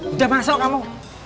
udah masuk kamu